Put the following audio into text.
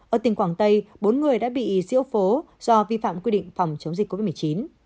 ở tỉnh quảng tây bốn người đã bị diễu phố do vi phạm quy định phòng chống dịch covid một mươi chín